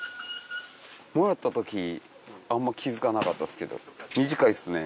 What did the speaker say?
もらった時あんま気付かなかったっすけど短いっすね